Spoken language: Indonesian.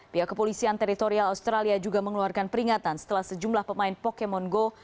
pihak kepolisian teritorial australia juga mengeluarkan peringatan setelah sejumlah pemain pokemon go